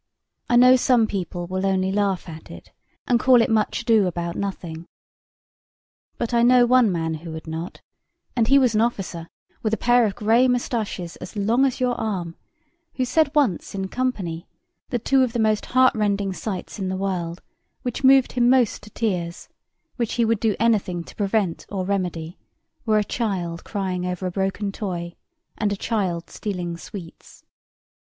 I know some people will only laugh at it, and call it much ado about nothing. But I know one man who would not; and he was an officer with a pair of gray moustaches as long as your arm, who said once in company that two of the most heart rending sights in the world, which moved him most to tears, which he would do anything to prevent or remedy, were a child over a broken toy and a child stealing sweets.